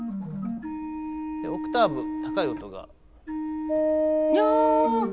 オクターブ高い音が。やぁ！